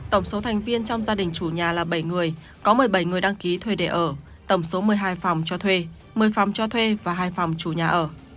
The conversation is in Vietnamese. tổng số thành viên trong gia đình chủ nhà là bảy người có một mươi bảy người đăng ký thuê để ở tổng số một mươi hai phòng cho thuê một mươi phòng cho thuê và hai phòng chủ nhà ở